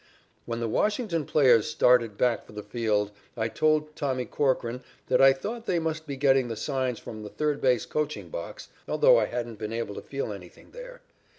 "When the Washington players started back for the field I told Tommy Corcoran that I thought they must be getting the signs from the third base coaching box, although I hadn't been able to feel anything there.